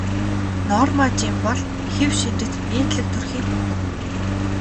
Норма Жин бол хэв шинжит нийтлэг төрхийн хүүхэн.